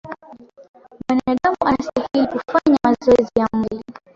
a mwanadamu anastahili kufanya mazoezi ya mwili